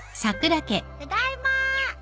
ただいまー。